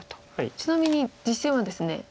ちなみに実戦はですね